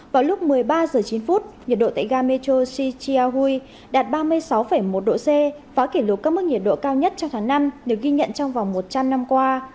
vào lúc một mươi ba h chín nhiệt độ tại ga metro sichia hui đạt ba mươi sáu một độ c phá kỷ lục các mức nhiệt độ cao nhất trong tháng năm được ghi nhận trong vòng một trăm linh năm qua